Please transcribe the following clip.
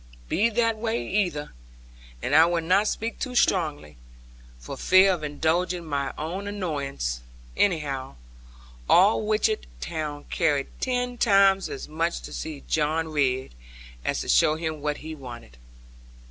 Be that either way and I will not speak too strongly, for fear of indulging my own annoyance anyhow, all Watchett town cared ten times as much to see John Ridd, as to show him what he wanted.